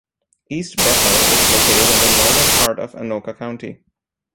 East Bethel is located in the northern part of Anoka County.